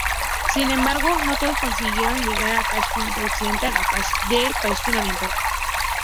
Sin embargo, no todos consiguieron llegar a Pakistán occidental de Pakistán Oriental.